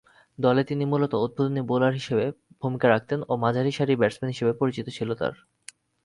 দলে তিনি মূলতঃ উদ্বোধনী বোলার হিসেবে ভূমিকা রাখতেন ও মাঝারি-সারির ব্যাটসম্যান হিসেবে পরিচিত ছিল তার।